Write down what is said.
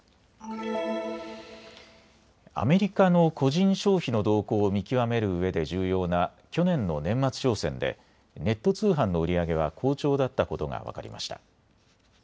アメリカの個人消費の動向を見極めるうえで重要な去年の年末商戦でネット通販の売り上げは好調だったことが分かりました。